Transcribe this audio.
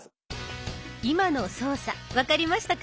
今の操作分かりましたか？